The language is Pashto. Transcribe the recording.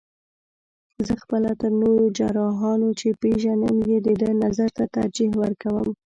زه خپله تر نورو جراحانو، چې پېژنم یې د ده نظر ته ترجیح ورکوم.